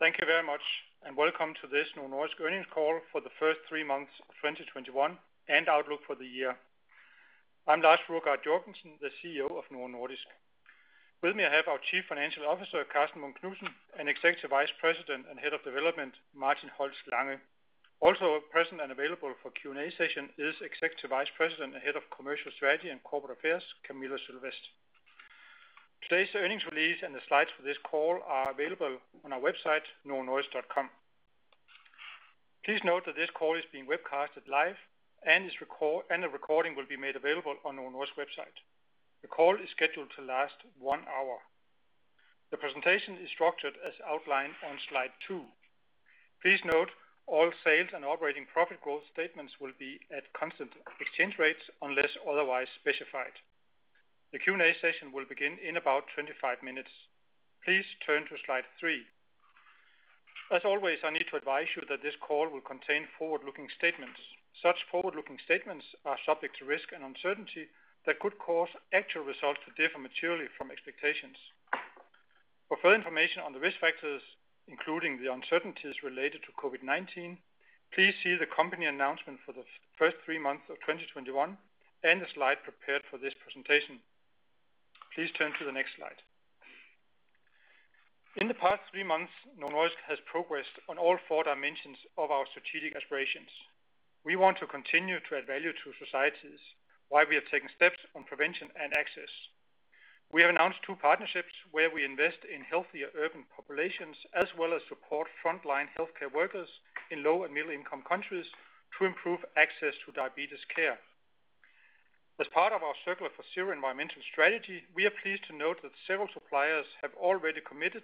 Thank you very much, and welcome to this Novo Nordisk earnings call for the first three months of 2021 and outlook for the year. I'm Lars Jørgensen, the CEO of Novo Nordisk. With me, I have our Chief Financial Officer, Karsten Munk Knudsen, and Executive Vice President and Head of Development, Martin Holst Lange. Also, present and available for Q&A session is Executive Vice President and Head of Commercial Strategy and Corporate Affairs, Camilla Sylvest. Today's earnings release and the slides for this call are available on our website, novonordisk.com. Please note that this call is being webcasted live and a recording will be made available on Novo Nordisk website. The call is scheduled to last one hour. The presentation is structured as outlined on slide two. Please note all sales and operating profit growth statements will be at constant exchange rates unless otherwise specified. The Q&A session will begin in about 25 minutes. Please turn to slide three. As always, I need to advise you that this call will contain forward-looking statements. Such forward-looking statements are subject to risk and uncertainty that could cause actual results to differ materially from expectations. For further information on the risk factors, including the uncertainties related to COVID-19, please see the company announcement for the first three months of 2021 and the slide prepared for this presentation. Please turn to the next slide. In the past three months, Novo Nordisk has progressed on all four dimensions of our strategic aspirations. We want to continue to add value to societies while we are taking steps on prevention and access. We have announced two partnerships where we invest in healthier urban populations, as well as support frontline healthcare workers in low- and middle-income countries to improve access to diabetes care. As part of our Circular for Zero environmental strategy, we are pleased to note that several suppliers have already committed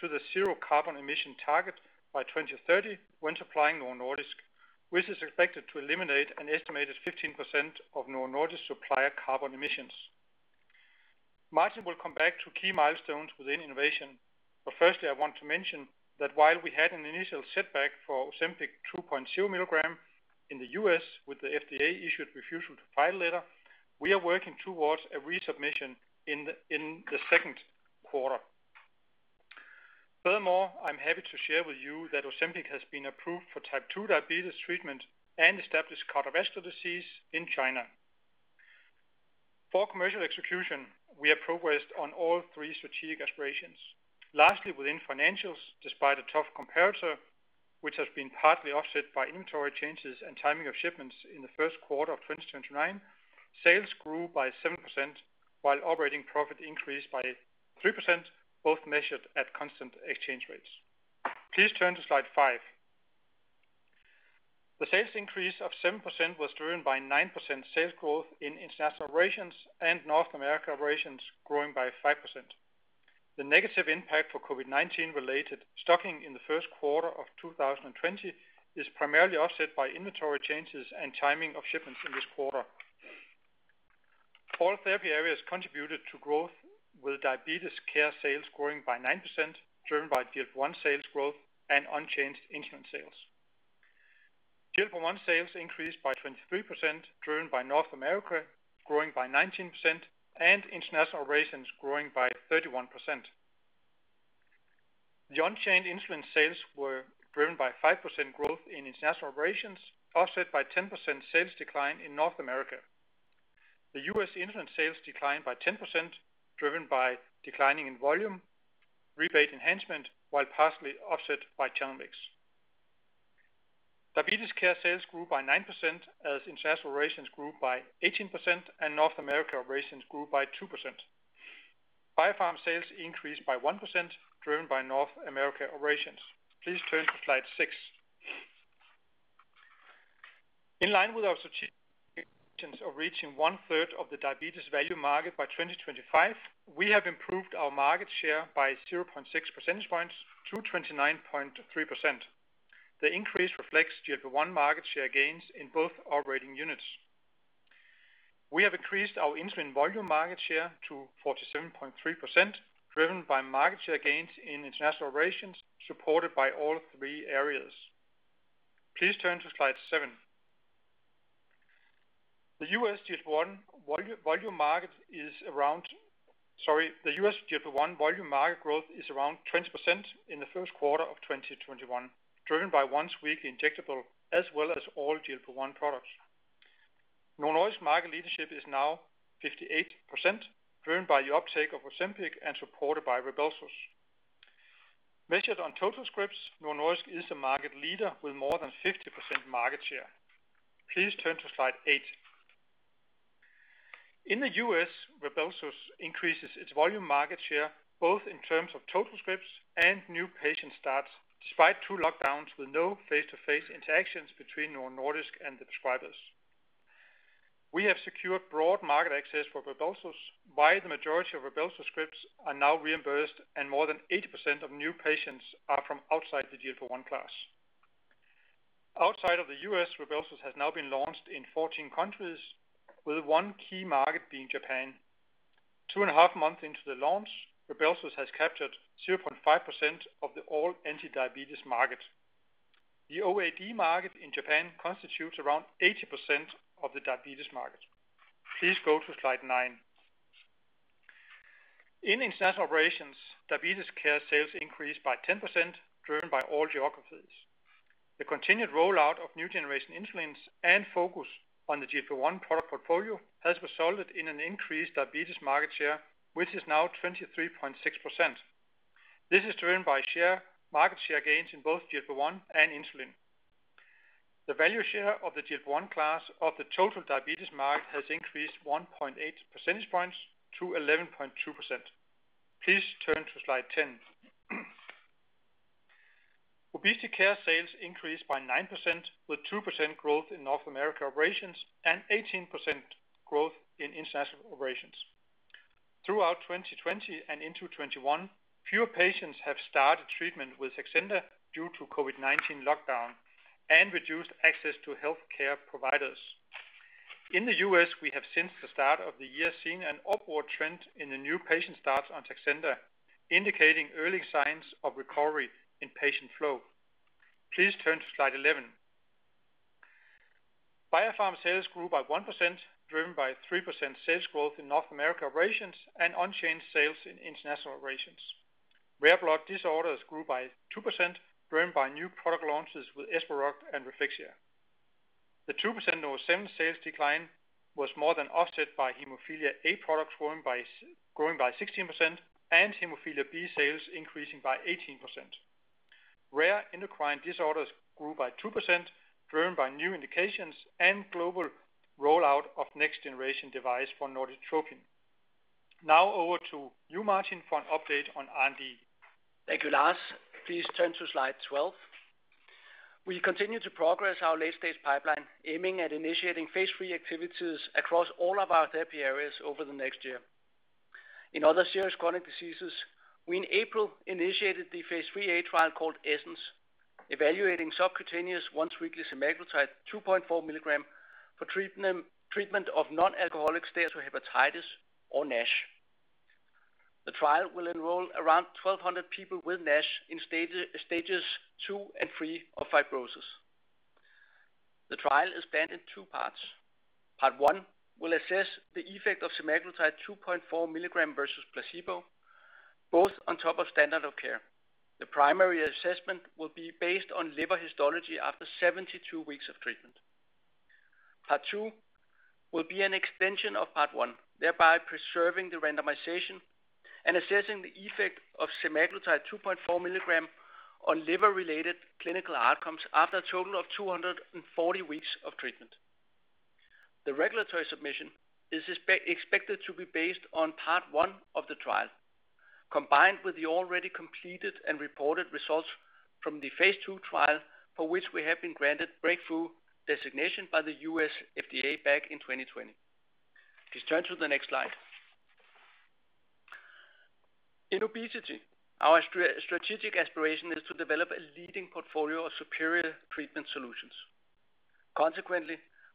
to the zero-carbon emission target by 2030 when supplying Novo Nordisk, which is expected to eliminate an estimated 15% of Novo Nordisk supplier carbon emissions. Martin will come back to key milestones within innovation, but firstly, I want to mention that while we had an initial setback for Ozempic 2.0 mg in the U.S. with the FDA issued refusal to file letter, we are working towards a resubmission in the second quarter. Furthermore, I'm happy to share with you that Ozempic has been approved for type 2 diabetes treatment and established cardiovascular disease in China. For commercial execution, we have progressed on all three strategic aspirations. Lastly, within financials, despite a tough comparator, which has been partly offset by inventory changes and timing of shipments in the first quarter of 2029, sales grew by 7% while operating profit increased by 3%, both measured at constant exchange rates. Please turn to slide five. The sales increase of 7% was driven by 9% sales growth in International Operations and North America Operations growing by 5%. The negative impact for COVID-19 related stocking in the first quarter of 2020 is primarily offset by inventory changes and timing of shipments in this quarter. All therapy areas contributed to growth, with diabetes care sales growing by 9%, driven by GLP-1 sales growth and unchanged insulin sales. GLP-1 sales increased by 23%, driven by North America growing by 19% and International Operations growing by 31%. The unchanged insulin sales were driven by 5% growth in International Operations, offset by 10% sales decline in North America. The U.S. insulin sales declined by 10%, driven by declining in volume, rebate enhancement, while partially offset by channel mix. Diabetes care sales grew by 9% as International Operations grew by 18% and North America Operations grew by 2%. Biopharm sales increased by 1%, driven by North America Operations. Please turn to slide six. In line with our strategic intentions of reaching 1/3 of the diabetes value market by 2025, we have improved our market share by 0.6 percentage points to 29.3%. The increase reflects GLP-1 market share gains in both operating units. We have increased our insulin volume market share to 47.3%, driven by market share gains in International Operations, supported by all three areas. Please turn to slide seven. The U.S. GLP-1 volume market growth is around 20% in the first quarter of 2021, driven by once-weekly injectable as well as all GLP-1 products. Novo Nordisk market leadership is now 58%, driven by the uptake of Ozempic and supported by Rybelsus. Measured on total scripts, Novo Nordisk is a market leader with more than 50% market share. Please turn to slide eight. In the U.S., Rybelsus increases its volume market share, both in terms of total scripts and new patient starts, despite two lockdowns with no face-to-face interactions between Novo Nordisk and the prescribers. We have secured broad market access for Rybelsus via the majority of Rybelsus scripts are now reimbursed and more than 80% of new patients are from outside the GLP-1 class. Outside of the U.S., Rybelsus has now been launched in 14 countries, with one key market being Japan. Two and a half months into the launch, Rybelsus has captured 0.5% of the all anti-diabetes market. The OAD market in Japan constitutes around 80% of the diabetes market. Please go to slide nine. In International Operations, diabetes care sales increased by 10%, driven by all geographies. The continued rollout of new generation insulins and focus on the GLP-1 product portfolio has resulted in an increased diabetes market share, which is now 23.6%. This is driven by share, market share gains in both GLP-1 and insulin. The value share of the GLP-1 class of the total diabetes market has increased 1.8 percentage points to 11.2%. Please turn to slide 10. Obesity care sales increased by 9%, with 2% growth in North America Operations and 18% growth in International Operations. Throughout 2020 and into 2021, fewer patients have started treatment with Saxenda due to COVID-19 lockdown and reduced access to healthcare providers. In the U.S., we have since the start of the year seen an upward trend in the new patient starts on Saxenda, indicating early signs of recovery in patient flow. Please turn to slide 11. Biopharm sales grew by 1%, driven by 3% sales growth in North America Operations and unchanged sales in International Operations. Rare blood disorders grew by 2%, driven by new product launches with Esperoct and Refixia. The 2% Ozempic sales decline was more than offset by Hemophilia A products growing by 16% and Hemophilia B sales increasing by 18%. Rare endocrine disorders grew by 2%, driven by new indications and global rollout of next generation device for Norditropin. Over to you, Martin, for an update on R&D. Thank you, Lars. Please turn to slide 12. We continue to progress our late-stage pipeline, aiming at initiating phase III activities across all of our therapy areas over the next year. In other serious chronic diseases, we in April initiated the phase III-A trial called ESSENCE, evaluating subcutaneous once-weekly semaglutide 2.4 mg for treatment of non-alcoholic steatohepatitis or NASH. The trial will enroll around 1,200 people with NASH in stages 2 and 3 of fibrosis. The trial is planned in two parts. Part one will assess the effect of semaglutide 2.4 mg versus placebo, both on top of standard of care. The primary assessment will be based on liver histology after 72 weeks of treatment. Part two will be an extension of part one, thereby preserving the randomization and assessing the effect of semaglutide 2.4 mg on liver-related clinical outcomes after a total of 240 weeks of treatment. The regulatory submission is expected to be based on part one of the trial, combined with the already completed and reported results from the phase II trial, for which we have been granted Breakthrough Therapy designation by the U.S. FDA back in 2020. Please turn to the next slide. In obesity, our strategic aspiration is to develop a leading portfolio of superior treatment solutions.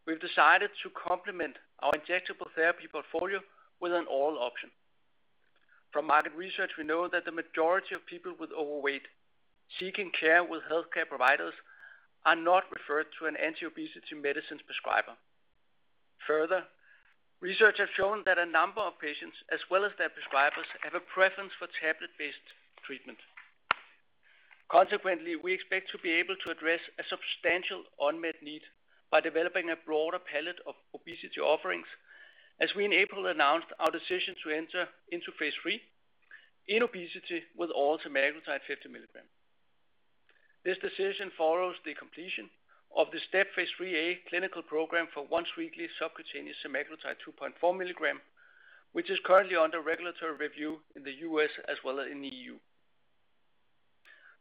We've decided to complement our injectable therapy portfolio with an oral option. From market research, we know that the majority of people with overweight seeking care with healthcare providers are not referred to an anti-obesity medicines prescriber. Further, research has shown that a number of patients, as well as their prescribers, have a preference for tablet-based treatment. Consequently, we expect to be able to address a substantial unmet need by developing a broader palette of obesity offerings as we in April announced our decision to enter into phase III in obesity with oral semaglutide 50 mg. This decision follows the completion of the STEP phase III-A clinical program for once-weekly subcutaneous semaglutide 2.4 mg, which is currently under regulatory review in the U.S. as well as in the EU.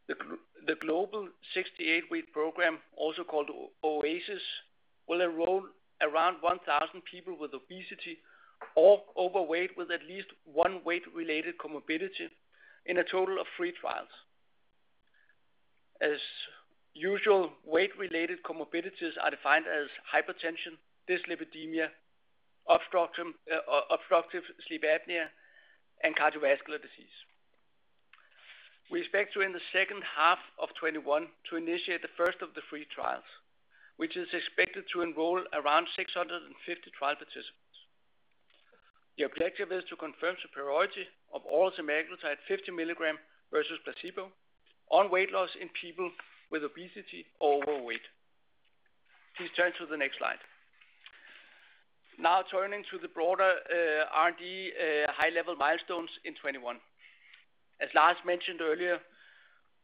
The global 68-week program, also called OASIS, will enroll around 1,000 people with obesity or overweight with at least one weight-related comorbidity in a total of three trials. As usual, weight-related comorbidities are defined as hypertension, dyslipidemia, obstructive sleep apnea, and cardiovascular disease. We expect to in the second half of 2021 to initiate the first of the three trials, which is expected to enroll around 650 trial participants. The objective is to confirm superiority of oral semaglutide 50 mg versus placebo on weight loss in people with obesity or overweight. Please turn to the next slide. Turning to the broader R&D high level milestones in 2021. As Lars mentioned earlier,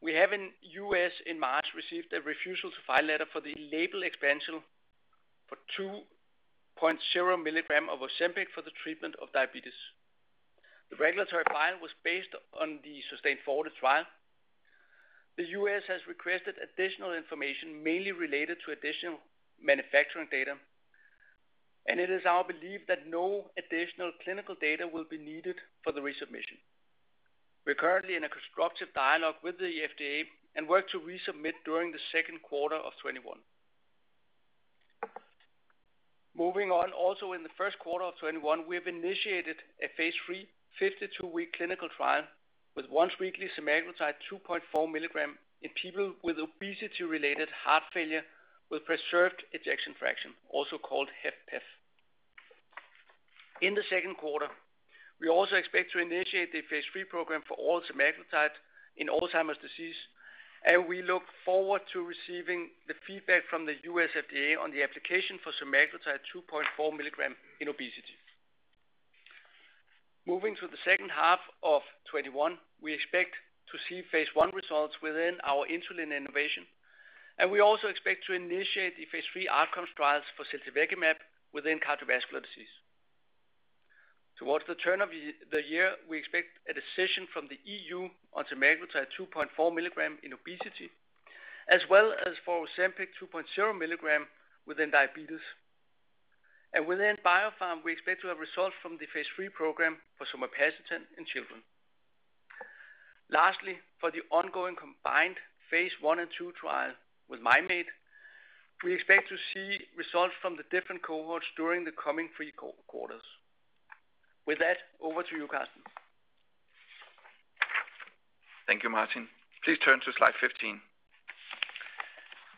we have in U.S. in March received a refusal to file letter for the label expansion for 2.0 mg of Ozempic for the treatment of diabetes. The regulatory file was based on the SUSTAIN FORTE trial. The U.S. has requested additional information, mainly related to additional manufacturing data, and it is our belief that no additional clinical data will be needed for the resubmission. We're currently in a constructive dialogue with the FDA and work to resubmit during the second quarter of 2021. Moving on, also in the first quarter of 2021, we have initiated a phase III 52-week clinical trial with once-weekly semaglutide 2.4 mg in people with obesity related heart failure with preserved ejection fraction, also called HFpEF. In the second quarter, we also expect to initiate the phase III program for oral semaglutide in Alzheimer's disease. We look forward to receiving the feedback from the U.S. FDA on the application for semaglutide 2.4 mg in obesity. Moving to the second half of 2021, we expect to see phase I results within our insulin innovation. We also expect to initiate the phase III outcomes trials for ziltivekimab within cardiovascular disease. Towards the turn of the year, we expect a decision from the EU on semaglutide 2.4 mg in obesity, as well as for Ozempic 2.0 mg within diabetes. Within biopharm, we expect to have results from the phase III program for somapacitan in children. Lastly, for the ongoing combined phase I and II trial with amycretin, we expect to see results from the different cohorts during the coming three quarters. With that, over to you, Karsten. Thank you, Martin. Please turn to slide 15.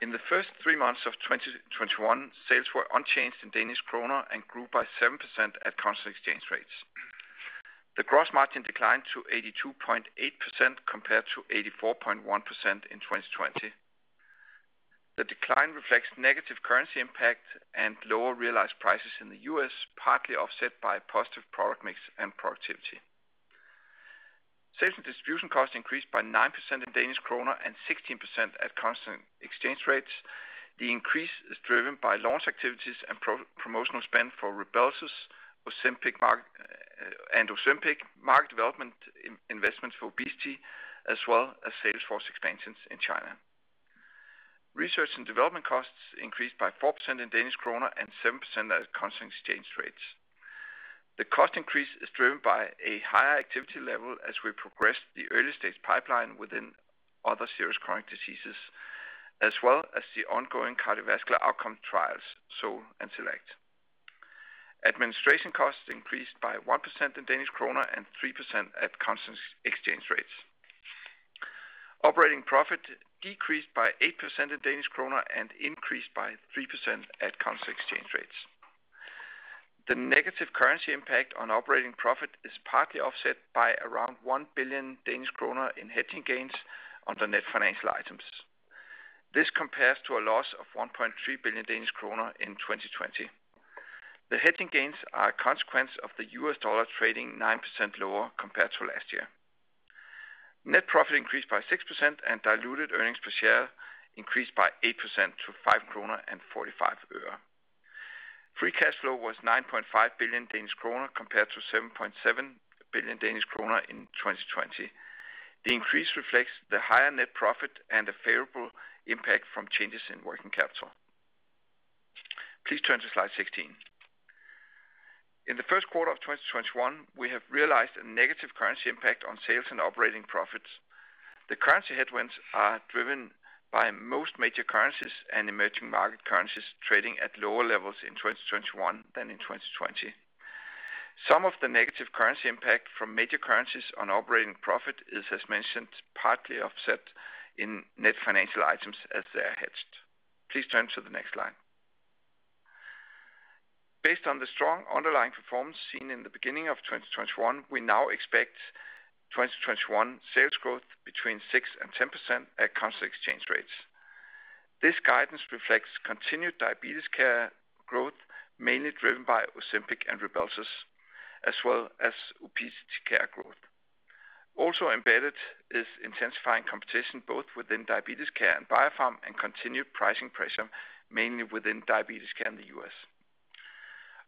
In the first three months of 2021, sales were unchanged in Danish Krone and grew by 7% at constant exchange rates. The gross margin declined to 82.8% compared to 84.1% in 2020. The decline reflects negative currency impact and lower realized prices in the U.S., partly offset by positive product mix and productivity. Sales and distribution costs increased by 9% in Danish Krone and 16% at constant exchange rates. The increase is driven by launch activities and promotional spend for Rybelsus, Ozempic, market development investments for obesity, as well as sales force expansions in China. Research and development costs increased by 4% in Danish Krone and 7% at constant exchange rates. The cost increase is driven by a higher activity level as we progress the early-stage pipeline within other serious chronic diseases, as well as the ongoing cardiovascular outcome trials, SOUL and SELECT. Administration costs increased by 1% in Danish Krone and 3% at constant exchange rates. Operating profit decreased by 8% in Danish Krone and increased by 3% at constant exchange rates. The negative currency impact on operating profit is partly offset by around 1 billion Danish kroner in hedging gains on the net financial items. This compares to a loss of 1.3 billion Danish kroner in 2020. The hedging gains are a consequence of the USD trading 9% lower compared to last year. Net profit increased by 6% and diluted earnings per share increased by 8% to 5.45 kroner. Free cash flow was 9.5 billion Danish kroner compared to 7.7 billion Danish kroner in 2020. The increase reflects the higher net profit and the favorable impact from changes in working capital. Please turn to slide 16. In the first quarter of 2021, we have realized a negative currency impact on sales and operating profits. The currency headwinds are driven by most major currencies and emerging market currencies trading at lower levels in 2021 than in 2020. Some of the negative currency impact from major currencies on operating profit is, as mentioned, partly offset in net financial items as they are hedged. Please turn to the next slide. Based on the strong underlying performance seen in the beginning of 2021, we now expect 2021 sales growth between 6% and 10% at constant exchange rates. This guidance reflects continued diabetes care growth, mainly driven by Ozempic and Rybelsus, as well as obesity care growth. Embedded is intensifying competition both within diabetes care and biopharm and continued pricing pressure, mainly within diabetes care in the U.S.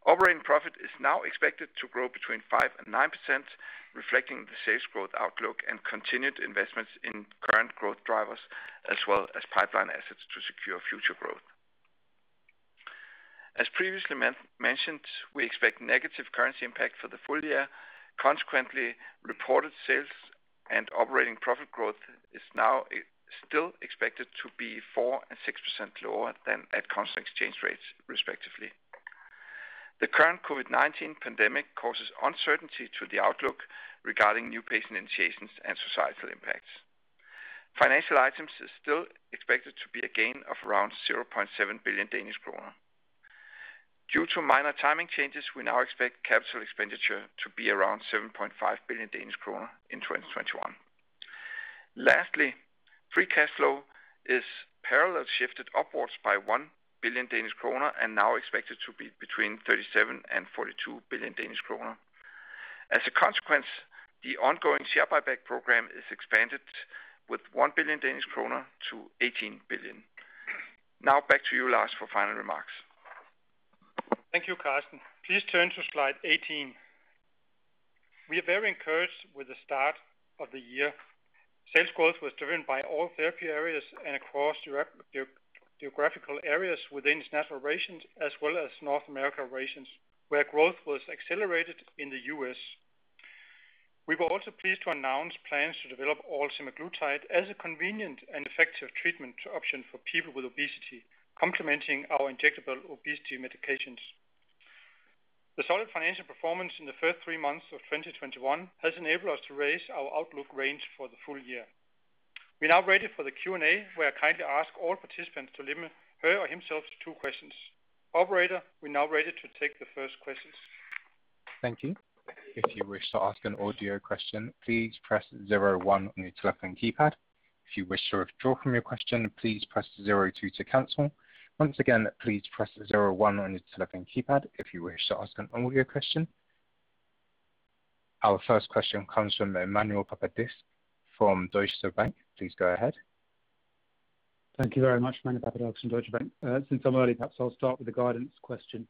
Operating profit is now expected to grow between 5% and 9%, reflecting the sales growth outlook and continued investments in current growth drivers, as well as pipeline assets to secure future growth. As previously mentioned, we expect negative currency impact for the full year. Reported sales and operating profit growth is now still expected to be 4% and 6% lower than at constant exchange rates, respectively. The current COVID-19 pandemic causes uncertainty to the outlook regarding new patient initiations and societal impacts. Financial items is still expected to be a gain of around 0.7 billion Danish kroner. Due to minor timing changes, we now expect capital expenditure to be around 7.5 billion Danish kroner in 2021. Lastly, free cash flow is parallel shifted upwards by 1 billion Danish kroner and now expected to be between 37 billion and 42 billion Danish kroner. As a consequence, the ongoing share buyback program is expanded with 1 billion-18 billion Danish kroner. Back to you, Lars, for final remarks. Thank you, Karsten. Please turn to slide 18. We are very encouraged with the start of the year. Sales growth was driven by all therapy areas and across geographical areas within International Operations as well as North America Operations, where growth was accelerated in the U.S. We were also pleased to announce plans to develop oral semaglutide as a convenient and effective treatment option for people with obesity, complementing our injectable obesity medications. The solid financial performance in the first three months of 2021 has enabled us to raise our outlook range for the full year. We are now ready for the Q&A, where I kindly ask all participants to limit her or himself to two questions. Operator, we're now ready to take the first questions. Thank you. Our first question comes from Emmanuel Papadakis from Deutsche Bank. Please go ahead. Thank you very much. Emmanuel Papadakis from Deutsche Bank. Since I'm early, perhaps I'll start with the guidance question.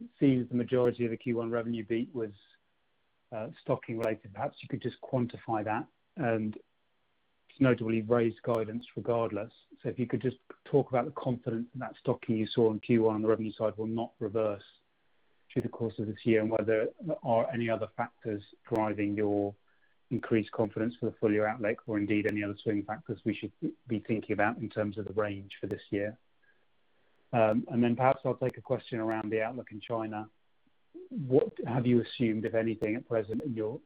It seems the majority of the Q1 revenue beat was stocking related. Perhaps you could just quantify that and notably raise guidance regardless. If you could just talk about the confidence in that stocking you saw in Q1 on the revenue side will not reverse through the course of this year, and whether there are any other factors driving your increased confidence for the full year outlook or indeed any other swinging factors we should be thinking about in terms of the range for this year. Then perhaps I'll take a question around the outlook in China. What have you assumed, if anything, at present in your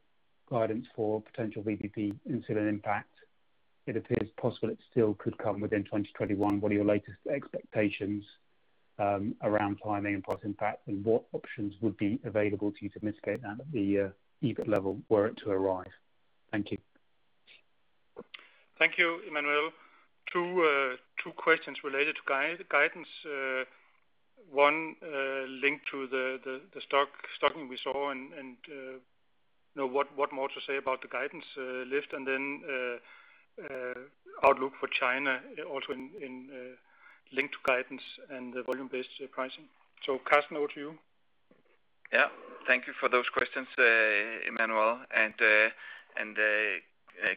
guidance for potential VBP insulin impact? It appears possible it still could come within 2021. What are your latest expectations, around timing and price impact? What options would be available to you to mitigate that at the EBIT level were it to arise? Thank you. Thank you, Emmanuel. Two questions related to guidance. One linked to the stocking we saw and, you know, what more to say about the guidance lift, and then outlook for China, also in linked to guidance and the volume-based pricing. Karsten, over to you. Yeah, thank you for those questions, Emmanuel.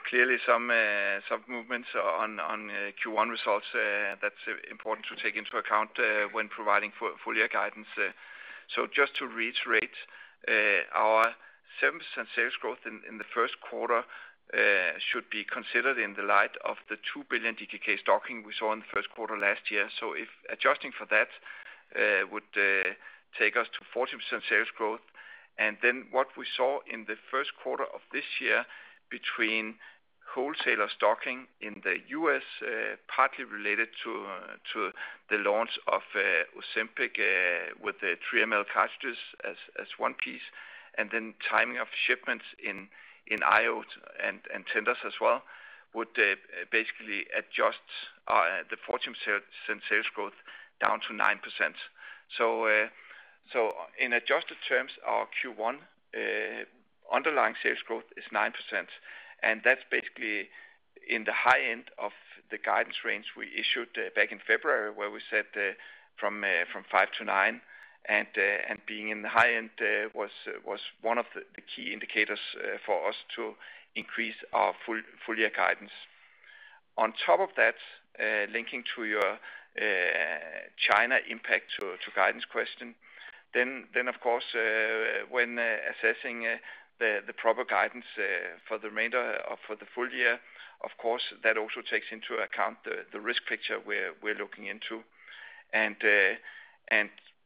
Clearly some movements on Q1 results that's important to take into account when providing full year guidance. Just to reiterate, our 7% sales growth in the first quarter should be considered in the light of the 2 billion DKK stocking we saw in the first quarter last year. If adjusting for that, would take us to 14% sales growth. What we saw in the first quarter of this year between wholesaler stocking in the U.S., partly related to the launch of Ozempic with the 3 mg cartridges as one piece, and then timing of shipments in IO and tenders as well, would basically adjust the 14% sales growth down to 9%. In adjusted terms, our Q1 underlying sales growth is 9%, and that's basically in the high end of the guidance range we issued back in February, where we said from 5%-9%, and being in the high end was one of the key indicators for us to increase our full year guidance. Linking to your China impact to guidance question, of course, when assessing the proper guidance for the full year, of course, that also takes into account the risk picture we're looking into.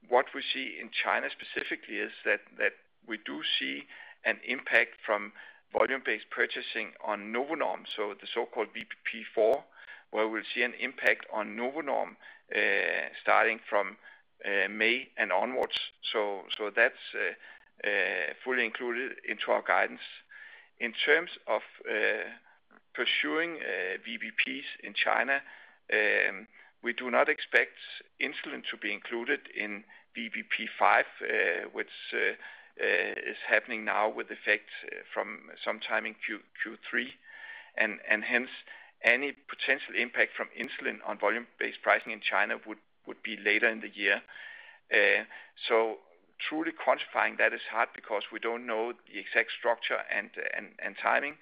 What we see in China specifically is that we do see an impact from volume-based purchasing on NovoNorm, so the so-called VBP 4, where we'll see an impact on NovoNorm starting from May and onwards. That's fully included into our guidance. In terms of pursuing VBPs in China, we do not expect insulin to be included in VBP 5, which is happening now with effect from sometime in Q3. Hence any potential impact from insulin on volume-based pricing in China would be later in the year. Truly quantifying that is hard because we don't know the exact structure and timing,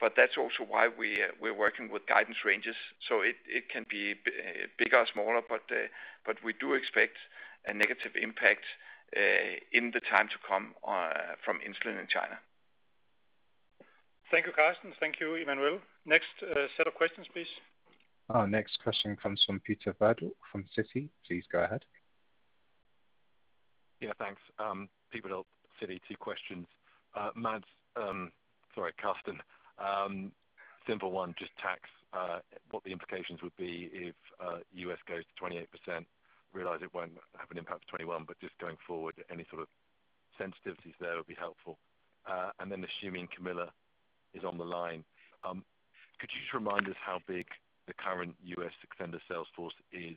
but that's also why we're working with guidance ranges, so it can be bigger or smaller, but we do expect a negative impact in the time to come from insulin in China. Thank you, Karsten. Thank you, Emmanuel. Next, set of questions, please. Our next question comes from Peter Verdult from Citi. Please go ahead. Yeah, thanks. Peter Verdult, Citi. Two questions. Mads. Sorry, Karsten. Simple one, just tax, what the implications would be if U.S. goes to 28%. Realize it won't have an impact of 2021, but just going forward, any sort of sensitivities there would be helpful. Assuming Camilla is on the line, could you just remind us how big the current U.S. Saxenda sales force is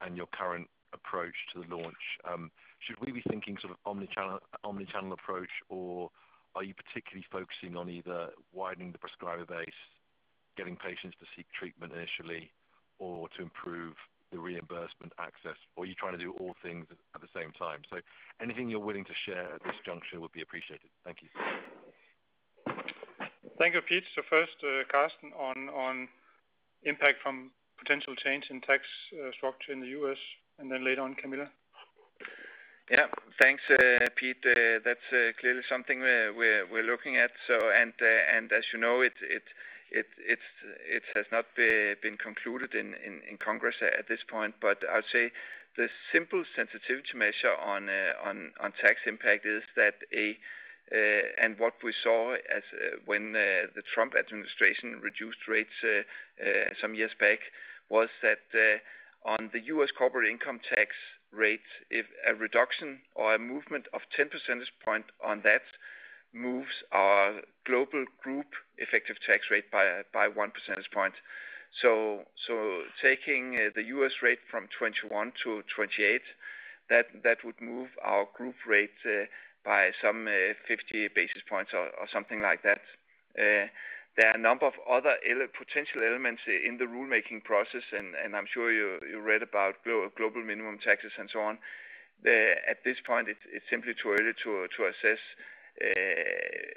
and your current approach to the launch? Should we be thinking sort of omni-channel approach, or are you particularly focusing on either widening the prescriber base, getting patients to seek treatment initially or to improve the reimbursement access? Are you trying to do all things at the same time? Anything you're willing to share at this juncture would be appreciated, thank you. Thank you, Pete. First, Karsten on impact from potential change in tax structure in the U.S. and then later on Camilla. Thanks, Peter. That's clearly something we're looking at. And as you know, it has not been concluded in Congress at this point. I'll say the simple sensitivity measure on tax impact is that and what we saw as when the Trump administration reduced rates some years back was that on the U.S. corporate income tax rate, if a reduction or a movement of 10 percentage point on that moves our global group effective tax rate by 1 percentage point. Taking the U.S. rate from 21%-28%, that would move our group rate by some 50 basis points or something like that. There are a number of other potential elements in the rulemaking process, and I'm sure you read about global minimum taxes and so on. At this point, it's simply too early to assess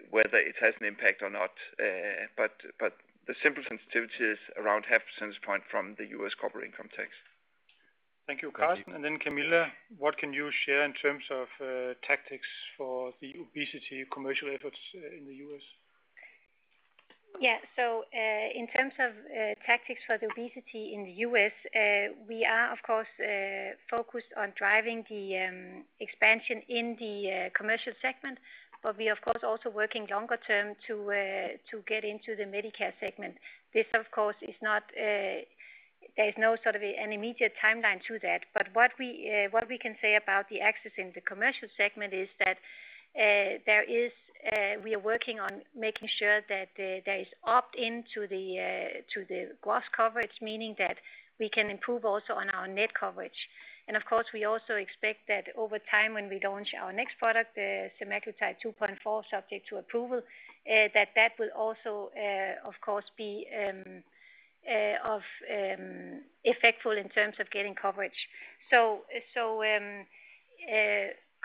whether it has an impact or not. The simple sensitivity is around half a percentage point from the U.S. corporate income tax. Thank you, Karsten. Camilla, what can you share in terms of tactics for the obesity commercial efforts in the U.S.? Yeah. In terms of tactics for the obesity in the U.S., we are of course focused on driving the expansion in the commercial segment, but we of course also working longer term to get into the Medicare segment. This, of course, is not, there's no sort of an immediate timeline to that. What we can say about the access in the commercial segment is that there is we are working on making sure that there is opt-in to the gross coverage, meaning that we can improve also on our net coverage. Of course, we also expect that over time, when we launch our next product, semaglutide 2.4 mg subject to approval, that that will also, of course be effective in terms of getting coverage.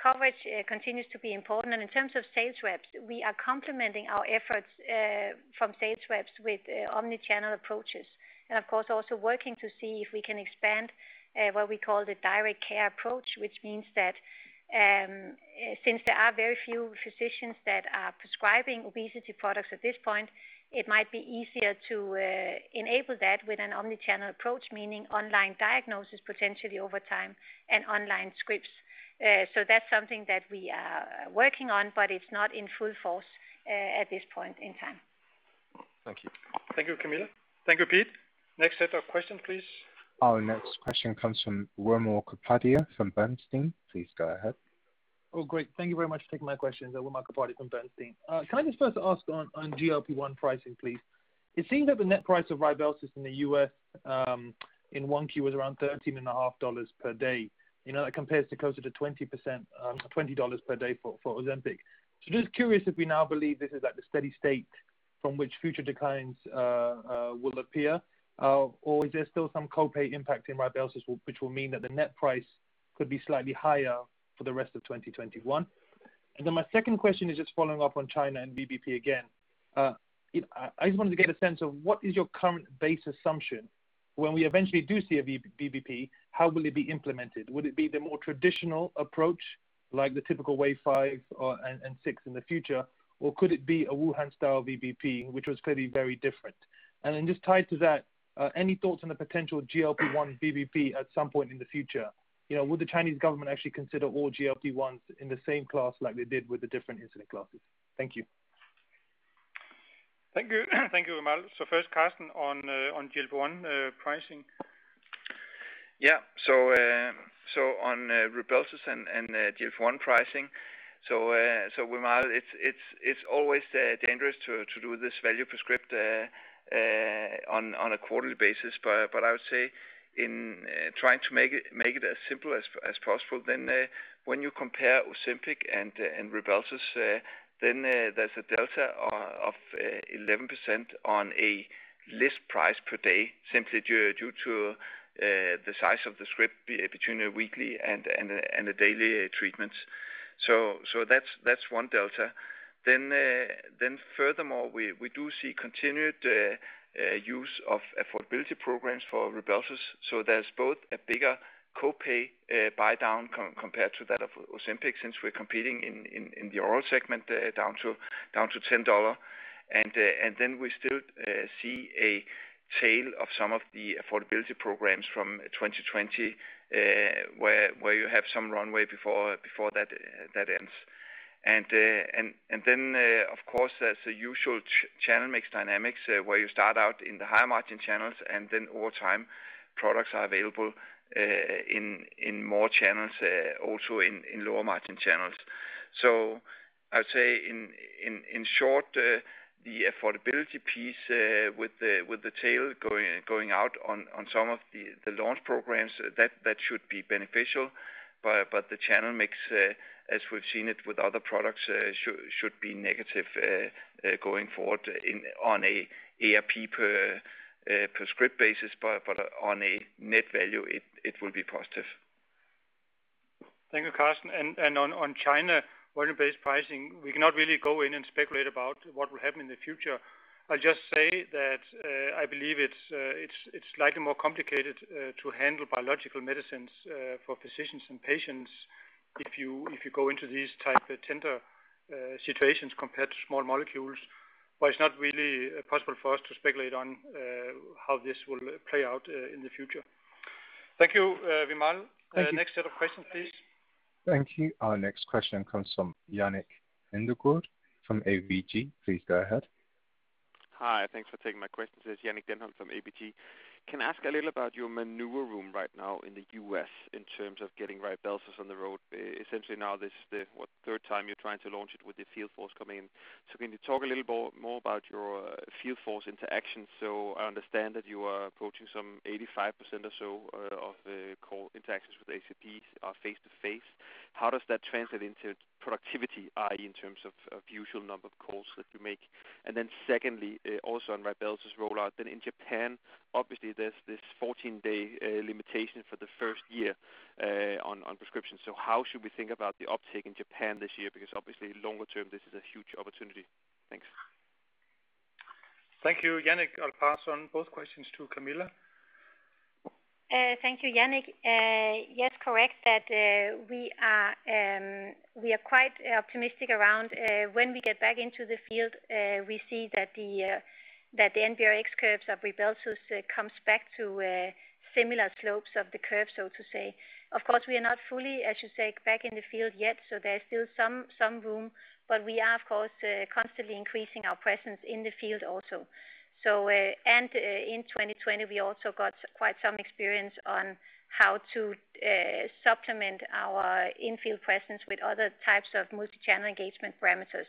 Coverage continues to be important. In terms of sales reps, we are complementing our efforts from sales reps with omni-channel approaches and of course also working to see if we can expand what we call the direct care approach, which means that since there are very few physicians that are prescribing obesity products at this point, it might be easier to enable that with an omni-channel approach, meaning online diagnosis potentially over time and online scripts. That's something that we are working on, but it's not in full force at this point in time. Thank you. Thank you, Camilla. Thank you, Pete. Next set of questions, please. Our next question comes from Wimal Kapadia from Bernstein. Please go ahead. Oh, great. Thank you very much for taking my questions. Wimal Kapadia from Bernstein. Can I just first ask on GLP-1 pricing, please? It seems that the net price of Rybelsus in the U.S., in 1Q was around $13.5/d. You know, that compares to closer to 20%, $20 per day for Ozempic. Just curious if we now believe this is like the steady state from which future declines will appear? Or is there still some co-pay impact in Rybelsus which will mean that the net price could be slightly higher for the rest of 2021? My second question is just following up on China and VBP again. You know, I just wanted to get a sense of what is your current base assumption when we eventually do see a VBP, how will it be implemented? Would it be the more traditional approach, like the typical wave five or, and six in the future? Or could it be a Wuhan style VBP, which was clearly very different? Just tied to that, any thoughts on the potential GLP-1 VBP at some point in the future? You know, would the Chinese government actually consider all GLP-1s in the same class like they did with the different insulin classes? Thank you. Thank you. Thank you, Wimal. First, Karsten, on GLP-1 pricing. Yeah, so on a Rybelsus and GLP-1 pricing, Wimal, it's always dangerous to do this value per script on a quarterly basis. I would say in trying to make it as simple as possible, when you compare Ozempic and Rybelsus, there's a delta of 11% on a list price per day, simply due to the size of the script between a weekly and a daily treatments. That's one delta. Furthermore, we do see continued use of affordability programs for Rybelsus. There's both a bigger co-pay, buydown compared to that of Ozempic since we're competing in, in the oral segment, down to $10. Then we still see a tail of some of the affordability programs from 2020 where you have some runway before that ends. Then of course, there's the usual channel mix dynamics where you start out in the higher margin channels and then over time products are available in more channels, also in lower margin channels. I would say in, in short, the affordability piece with the tail going out on some of the launch programs that should be beneficial. The channel mix, as we've seen it with other products, should be negative going forward on a ERP per script basis. On a net value it will be positive. Thank you, Karsten. On China volume-based pricing, we cannot really go in and speculate about what will happen in the future. I'll just say that I believe it's likely more complicated to handle biological medicines for physicians and patients if you go into these type of tender situations compared to small molecules. It's not really possible for us to speculate on how this will play out in the future. Thank you, Wimal. Thank you. Next set of questions, please. Thank you, our next question comes from Jannick Denholt from ABG. Please go ahead. Hi, thanks for taking my questions. This is Jannick Denholt from ABG. Can I ask a little about your maneuver room right now in the U.S. in terms of getting Rybelsus on the road? Essentially now this third time you're trying to launch it with the field force coming in. Can you talk a little more about your field force interactions? I understand that you are approaching some 85% or so of the call interactions with HCPs are face-to-face. How does that translate into productivity, i.e., in terms of usual number of calls that you make? Secondly, also on Rybelsus rollout in Japan, obviously there's this 14-day limitation for the first year on prescriptions. How should we think about the uptake in Japan this year? Obviously longer term this is a huge opportunity. Thanks. Thank you, Jannick. I'll pass on both questions to Camilla. Thank you, Jannick. Yes, correct that we are quite optimistic around when we get back into the field. We see that the NBRx curves of Rybelsus comes back to similar slopes of the curve, so to say. Of course, we are not fully, I should say, back in the field yet, so there is still some room. We are of course constantly increasing our presence in the field also. In 2020 we also got quite some experience on how to supplement our in-field presence with other types of multi-channel engagement parameters.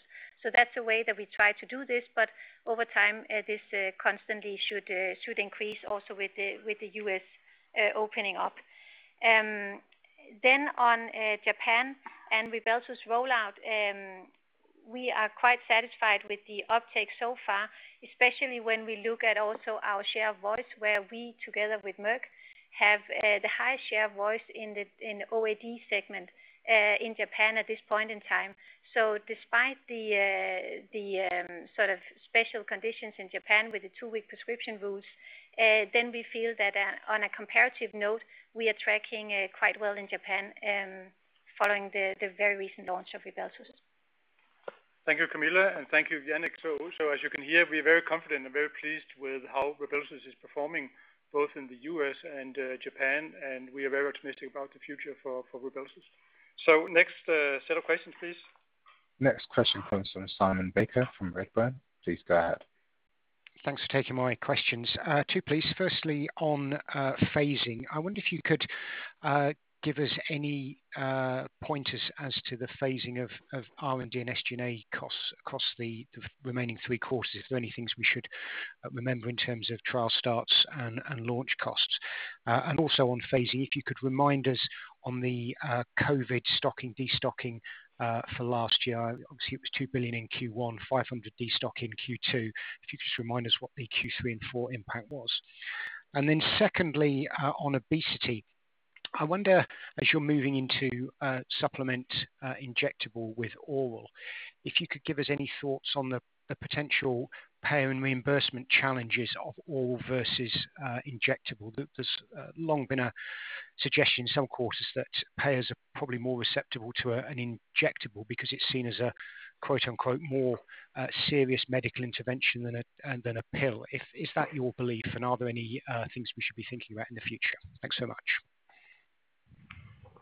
That's the way that we try to do this, but over time this constantly should increase also with the U.S. opening up. Then on Japan and Rybelsus rollout, we are quite satisfied with the uptake so far, especially when we look at also our share of voice, where we together with Merck have the highest share of voice in the OAD segment in Japan at this point in time. Despite the sort of special conditions in Japan with the two-week prescription rules, then we feel that on a comparative note, we are tracking quite well in Japan, following the very recent launch of Rybelsus. Thank you, Camilla, and thank you, Jannick. As you can hear, we are very confident and very pleased with how Rybelsus is performing both in the U.S. and Japan, and we are very optimistic about the future for Rybelsus. Next set of questions, please. Next question comes from Simon Baker from Redburn. Please go ahead. Thanks for taking my questions. Two please, firstly, on phasing. I wonder if you could give us any pointers as to the phasing of R&D and SG&A costs across the remaining three quarters. If there are any things we should remember in terms of trial starts and launch costs. Also on phasing, if you could remind us on the COVID stocking, de-stocking for last year. Obviously it was 2 billion in Q1, 500 million de-stock in Q2. If you could just remind us what the Q3 and Q4 impact was. Secondly, on obesity, I wonder as you're moving into supplement injectable with oral, if you could give us any thoughts on the potential payer and reimbursement challenges of oral versus injectable. There, there's long been a suggestion in some quarters that payers are probably more susceptible to an injectable because it's seen as a quote-unquote "more serious medical intervention than a, than a pill." Is that your belief? Are there any things we should be thinking about in the future? Thanks so much.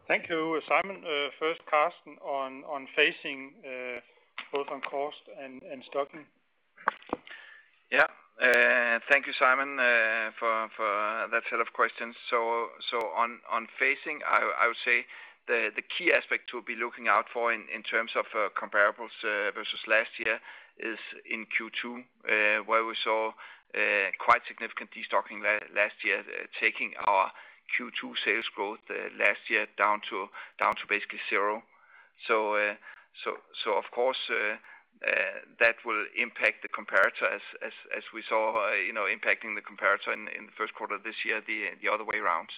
Thank you, Simon. First Karsten on phasing, both on cost and stocking. Thank you, Simon, for that set of questions. On phasing, I would say the key aspect to be looking out for in terms of comparables versus last year is in Q2, where we saw quite significant de-stocking last year, taking our Q2 sales growth last year down to basically zero. Of course, that will impact the comparator as we saw, you know, impacting the comparator in the first quarter of this year, the other way around.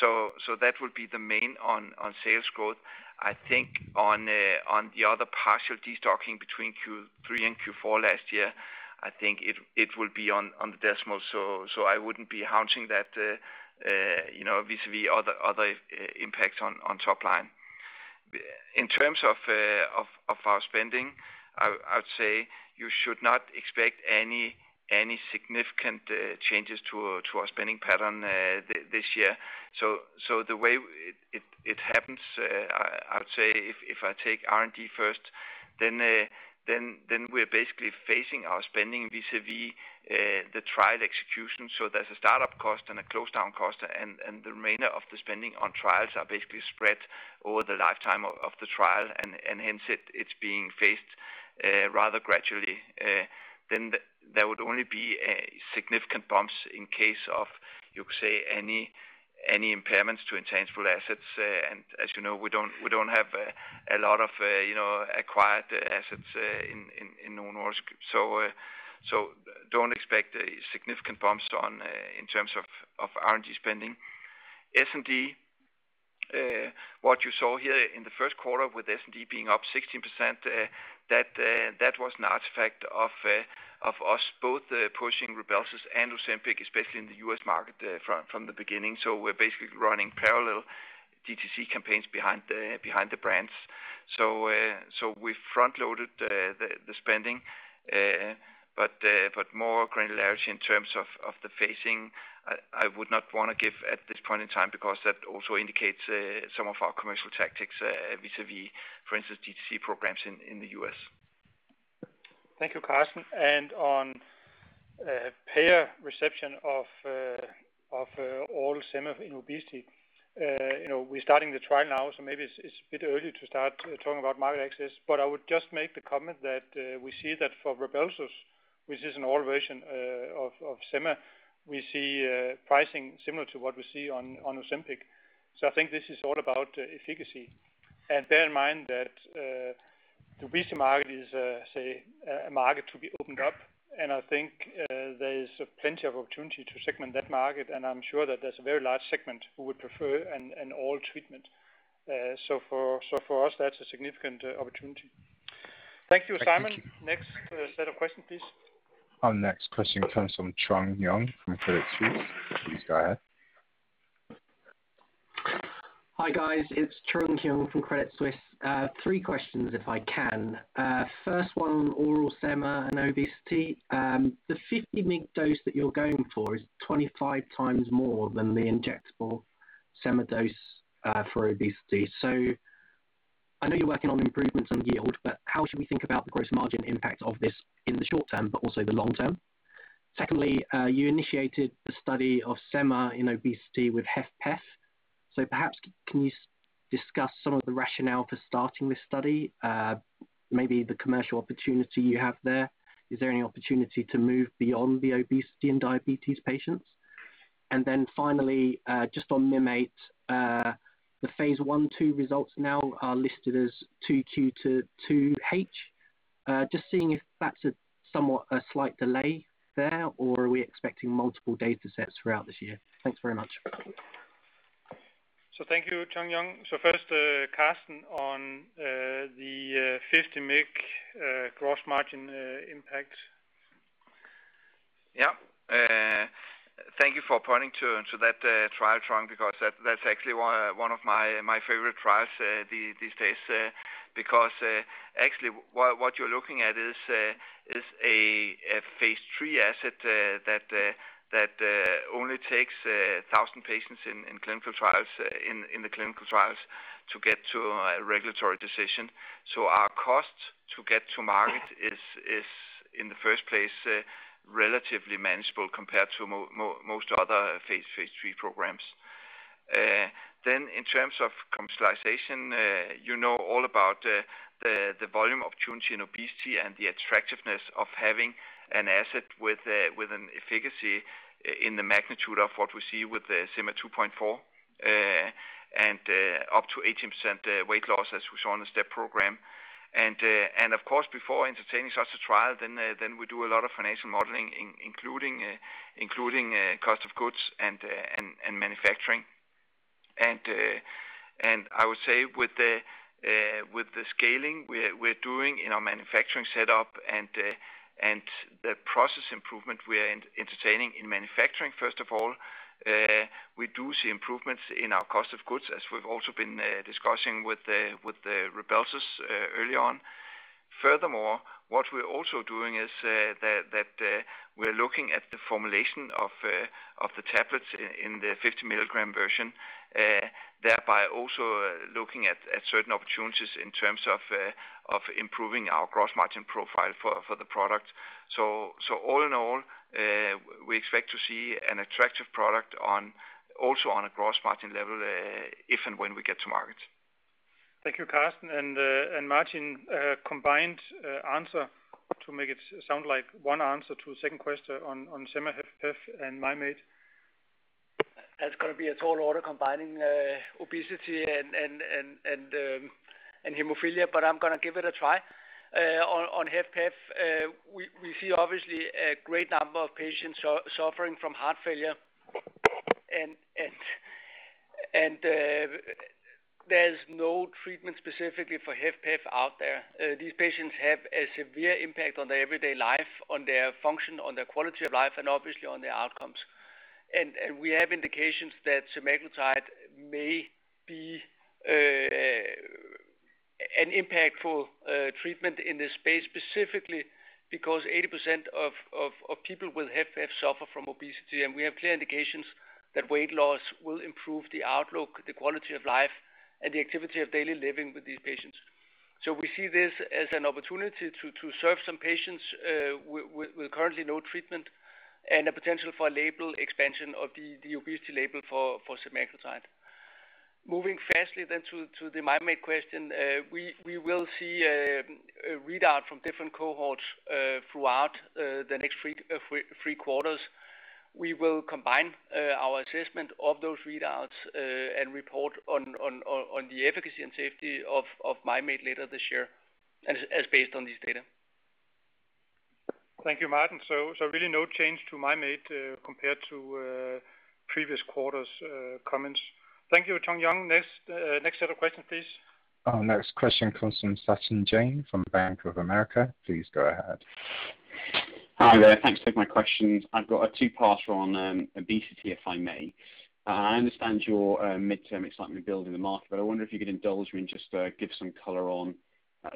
That would be the main on sales growth. I think on the other partial de-stocking between Q3 and Q4 last year, I think it will be on the decimal. I wouldn't be hounding that, you know, vis-à-vis other impacts on top line. In terms of our spending, I'd say you should not expect any significant changes to our spending pattern this year. The way it happens, I would say if I take R&D first, then we're basically phasing our spending vis-à-vis the trial execution. There's a startup cost and a closedown cost and the remainder of the spending on trials are basically spread over the lifetime of the trial and hence it's being phased rather gradually. There would only be significant bumps in case of, you could say any impairments to intangible assets. And as you know, we don't, we don't have a lot of, you know, acquired assets in Novo Nordisk. Don't expect a significant bumps on in terms of R&D spending. S&D, what you saw here in the 1st quarter with S&D being up 16%, that that was an artifact of of us both pushing Rybelsus and Ozempic, especially in the U.S. market, from from the beginning. We're basically running parallel DTC campaigns behind the, behind the brands. We front loaded the, the spending, but more granularity in terms of the phasing, I would not wanna give at this point in time because that also indicates some of our commercial tactics vis-à-vis for instance, DTC programs in the U.S. Thank you, Karsten. On payer reception of oral sema in obesity, you know, we're starting the trial now, so maybe it's a bit early to start talking about market access. I would just make the comment that we see that for Rybelsus, which is an oral version of semaglutide, we see pricing similar to what we see on Ozempic. I think this is all about efficacy. Bear in mind that the obesity market is, say, a market to be opened up, and I think there is plenty of opportunity to segment that market, and I'm sure that there's a very large segment who would prefer an oral treatment. For us, that's a significant opportunity. Thank you, Simon. Next set of questions, please. Our next question comes from Trung Huynh from Credit Suisse. Please go ahead. Hi, guys. It's Trung Huynh from Credit Suisse. Three questions if I can. First one, oral sema and obesity. The 50 mg dose that you're going for is 25 times more than the injectable sema dose for obesity. I know you're working on improvements on yield, but how should we think about the gross margin impact of this in the short term, but also the long term? Secondly, you initiated the study of sema in obesity with HFpEF. Perhaps can you discuss some of the rationale for starting this study? Maybe the commercial opportunity you have there. Is there any opportunity to move beyond the obesity and diabetes patients? Finally, just on Mim8, the phase I, II results now are listed as 2Q to 2H. Just seeing if that's a somewhat a slight delay there, or are we expecting multiple data sets throughout this year? Thanks very much. Thank you, Trung Huynh. First, Karsten on the 50 mg gross margin impact. Yeah, thank you for pointing to that trial Trung because that's actually one of my favorite trials these days, because actually, what you're looking at is a phase III asset that only takes 1,000 patients in clinical trials, in the clinical trials to get to a regulatory decision. Our cost to get to market is in the first place relatively manageable compared to most other phase III programs. In terms of commercialization, you know all about the volume opportunity in obesity and the attractiveness of having an asset with an efficacy in the magnitude of what we see with the sema 2.4 mg and up to 18% weight loss as we saw on the STEP program. Of course, before entertaining such a trial, then we do a lot of financial modeling including cost of goods and manufacturing. I would say with the scaling we're doing in our manufacturing setup and the process improvement we are entertaining in manufacturing, first of all, we do see improvements in our cost of goods as we've also been discussing with Rybelsus early on. Furthermore, what we're also doing is, that, we're looking at the formulation of the tablets in the 50 mg version, thereby also looking at certain opportunities in terms of improving our gross margin profile for the product. All in all, we expect to see an attractive product on, also on a gross margin level, if and when we get to market. Thank you, Karsten and Martin, combined, answer to make it sound like one answer to the second question on sema HFpEF and Mim8. That's gonna be a tall order combining obesity and hemophilia, but I'm gonna give it a try. On HFpEF, we see obviously a great number of patients suffering from heart failure and there's no treatment specifically for HFpEF out there. These patients have a severe impact on their everyday life, on their function, on their quality of life, and obviously on their outcomes. We have indications that semaglutide may be an impactful treatment in this space specifically because 80% of people with HFpEF suffer from obesity, and we have clear indications that weight loss will improve the outlook, the quality of life, and the activity of daily living with these patients. We see this as an opportunity to serve some patients with currently no treatment and a potential for label expansion of the obesity label for semaglutide. Moving firstly to the Mim8 question, we will see a readout from different cohorts throughout the next three quarters. We will combine our assessment of those readouts, and report on the efficacy and safety of a Mim8 later this year as based on this data. Thank you, Martin. really no change to my mate compared to previous quarters comments. Thank you, Trung Huynh. Next, next set of questions, please. Our next question comes from Sachin Jain from Bank of America. Please go ahead. Hi there, thanks for taking my questions. I've got a two-parter on obesity, if I may. I understand your midterm excitement building the market, but I wonder if you could indulge me and just give some color on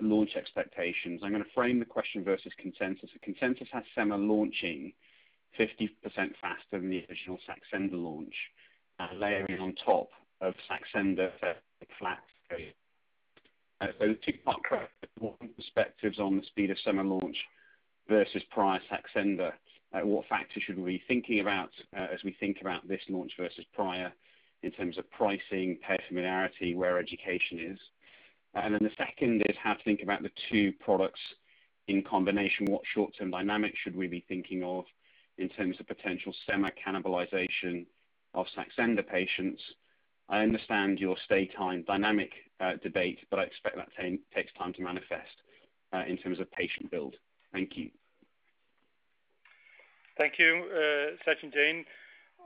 launch expectations. I'm gonna frame the question versus consensus. The consensus has sema launching 50% faster than the original Saxenda launch, layering on top of Saxenda for a flat period. Two parts. One, perspectives on the speed of sema launch versus prior Saxenda. What factors should we be thinking about as we think about this launch versus prior in terms of pricing, pair familiarity, where education is? The second is how to think about the two products in combination. What short-term dynamics should we be thinking of in terms of potential semi-cannibalization of Saxenda patients? I understand your stay time dynamic, debate, but I expect that same takes time to manifest, in terms of patient build. Thank you. Thank you, Sachin Jain.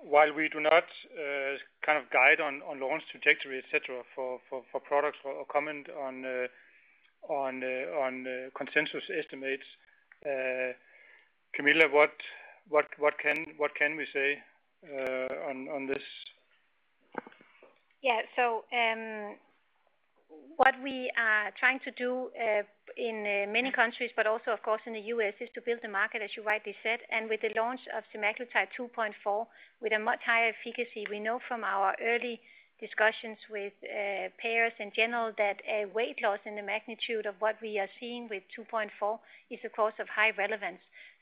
While we do not kind of guide on launch trajectory, et cetera, for products or comment on consensus estimates, Camilla, what can we say on this? What we are trying to do in many countries, but also of course in the U.S., is to build the market, as you rightly said. With the launch of semaglutide 2.4 mg, with a much higher efficacy, we know from our early discussions with payers in general that a weight loss in the magnitude of what we are seeing with 2.4 mg is of course of high relevance.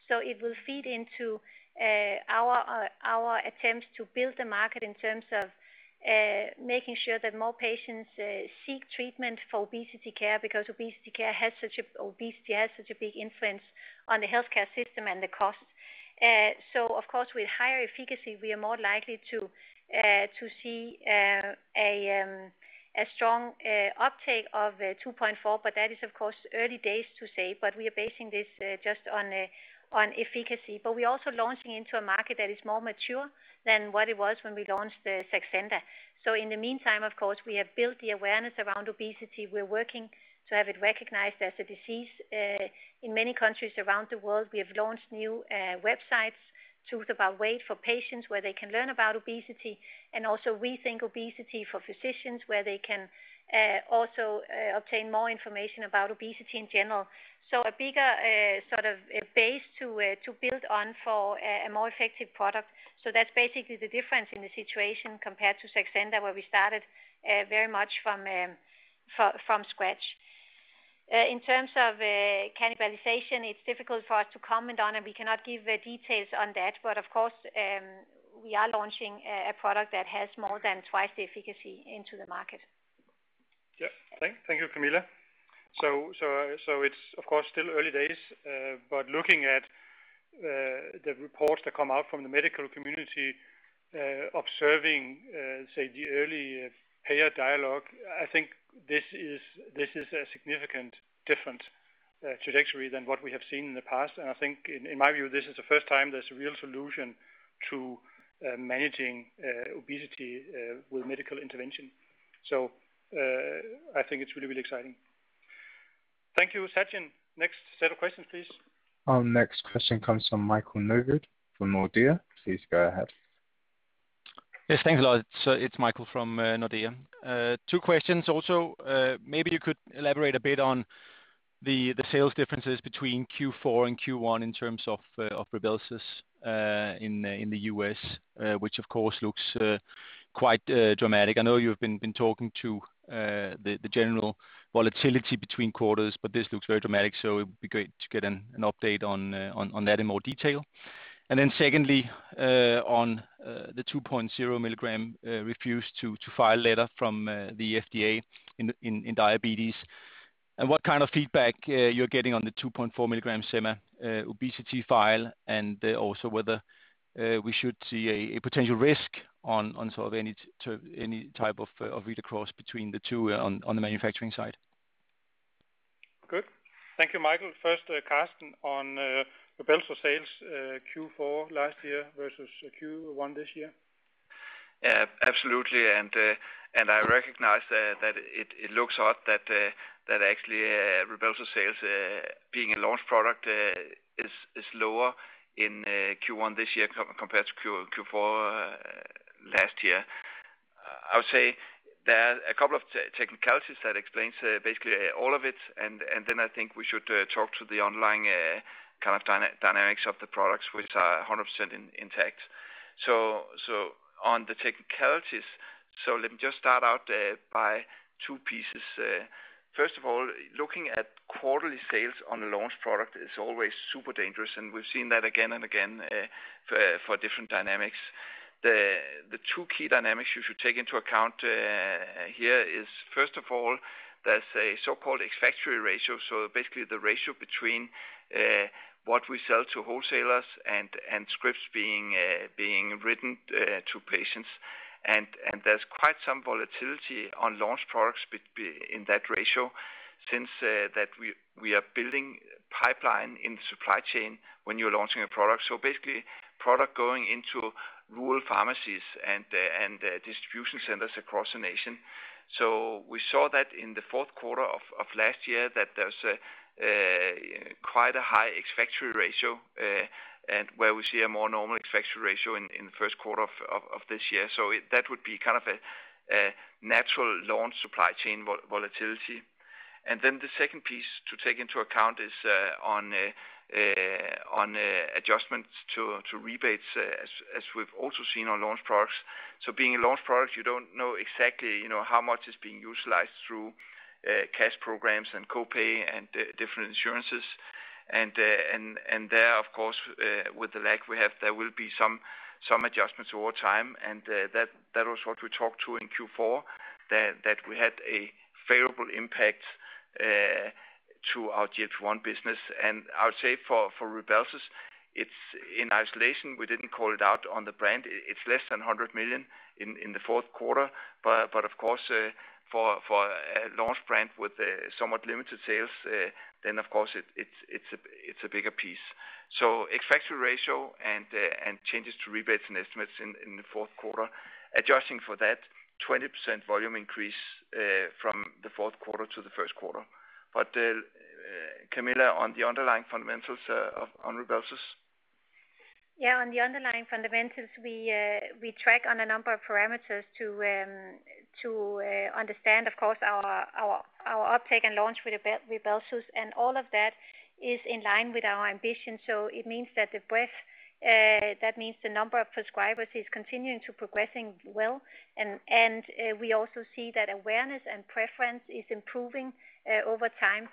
It will feed into our attempts to build the market in terms of making sure that more patients seek treatment for obesity care, because obesity care has such a big influence on the healthcare system and the cost. Of course, with higher efficacy, we are more likely to see a strong uptake of 2.4 mg, but that is of course early days to say, but we are basing this just on efficacy. We're also launching into a market that is more mature than what it was when we launched Saxenda. In the meantime, of course, we have built the awareness around obesity. We're working to have it recognized as a disease in many countries around the world. We have launched new websites, Truth About Weight for patients, where they can learn about obesity, and also Rethink Obesity for physicians, where they can also obtain more information about obesity in general. A bigger, sort of a base to build on for a more effective product. That's basically the difference in the situation compared to Saxenda, where we started very much from scratch. In terms of cannibalization, it's difficult for us to comment on, and we cannot give details on that. Of course, we are launching a product that has more than twice the efficacy into the market. Thank you, Camilla. It's of course still early days, but looking at the reports that come out from the medical community, observing say the early payer dialogue, I think this is a significant different trajectory than what we have seen in the past. I think in my view, this is the first time there's a real solution to managing obesity with medical intervention. I think it's really exciting. Thank you, Sachin. Next set of questions, please. Our next question comes from Michael Novod from Nordea. Please go ahead. Yes, thanks a lot. It's Michael Novod from Nordea. Two questions also. Maybe you could elaborate a bit on the sales differences between Q4 and Q1 in terms of Rybelsus in the U.S., which of course looks quite dramatic. I know you've been talking to the general volatility between quarters, but this looks very dramatic, so it'd be great to get an update on that in more detail. Secondly, on the 2.0 mg refuse to file letter from the FDA in diabetes. What kind of feedback you're getting on the 2.4 mg sema obesity file, also whether we should see a potential risk on sort of any type of read across between the two on the manufacturing side? Good. Thank you, Michael. First, Karsten on Rybelsus sales, Q4 last year versus Q1 this year. Yeah, absolutely. I recognize that it looks odd that actually Rybelsus sales, being a launch product, is lower in Q1 this year compared to Q4 last year. I would say there are a couple of technicalities that explains basically all of it, then I think we should talk to the online kind of dynamics of the products, which are 100% intact. On the technicalities, let me just start out by two pieces. First of all, looking at quarterly sales on a launch product is always super dangerous, we've seen that again and again for different dynamics. The two key dynamics you should take into account here is first of all, there's a so-called ex-factory ratio. Basically the ratio between what we sell to wholesalers and scripts being written to patients. There's quite some volatility on launch products in that ratio since we are building pipeline in the supply chain when you're launching a product. Basically product going into rural pharmacies and distribution centers across the nation. We saw that in the fourth quarter of last year that there's quite a high ex-factory ratio, and where we see a more normal ex-factory ratio in the first quarter of this year. That would be kind of a natural launch supply chain volatility. The second piece to take into account is on adjustments to rebates as we've also seen on launch products. Being a launch product, you don't know exactly, you know, how much is being utilized through cash programs and co-pay and different insurances. There of course, with the lag we have, there will be adjustments over time. That was what we talked to in Q4, that we had a favorable impact to our GLP-1 business. I would say for Rybelsus, it's in isolation, we didn't call it out on the brand. It's less than 100 million in the fourth quarter. Of course, for a launch brand with a somewhat limited sales, then of course it's a bigger piece. Ex-factory ratio and changes to rebates and estimates in the fourth quarter. Adjusting for that 20% volume increase from the fourth quarter to the first quarter. Camilla, on the underlying fundamentals of Rybelsus. Yeah, on the underlying fundamentals, we track on a number of parameters to understand of course our uptake and launch with Rybelsus and all of that is in line with our ambition. It means that the breadth, that means the number of prescribers is continuing to progressing well. We also see that awareness and preference is improving over time,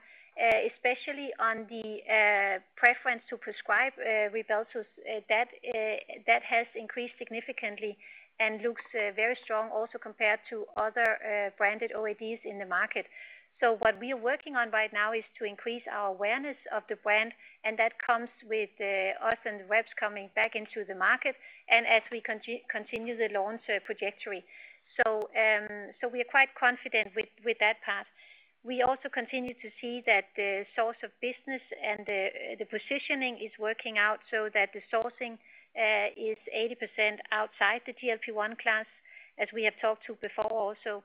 especially on the preference to prescribe Rybelsus that has increased significantly and looks very strong also compared to other branded OADs in the market. What we are working on right now is to increase our awareness of the brand and that comes with us and reps coming back into the market and as we continue the launch trajectory. We are quite confident with that path. We also continue to see that the source of business and the positioning is working out so that the sourcing is 80% outside the GLP-1 class as we have talked to before also.